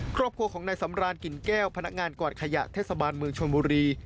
ครอบครัวของนายสำรานกลิ่นแก้วพนักงานกวาดขยะเทศบาลเมืองชนบุรี